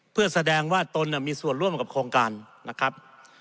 เพื่อแสดงว่าตนมีส่วนร่วมกับโครงการนะครับ